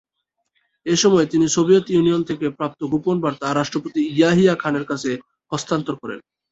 এ সময়ে তিনি Soviet Union থেকে প্রাপ্ত গোপন বার্তা রাষ্ট্রপতি ইয়াহিয়া খানের কাছে হস্তান্তর করেন।